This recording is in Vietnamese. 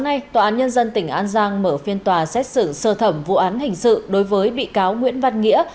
hôm nay tòa án nhân dân tỉnh an giang mở phiên tòa xét xử sơ thẩm vụ án hình sự đối với bị cáo nguyễn văn nghĩa